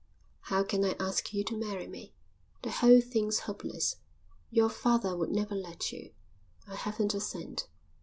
"How can I ask you to marry me? The whole thing's hopeless. Your father would never let you. I haven't a cent."